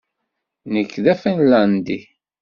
Nekk d Afinlandi